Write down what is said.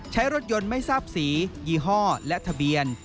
ใช้รถยนต์ไม่ทราบสียี่ห้อและทะเบียน